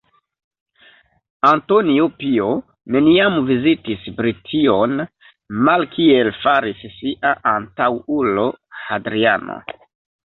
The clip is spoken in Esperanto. Antonino Pio neniam vizitis Brition, malkiel faris sia antaŭulo Hadriano.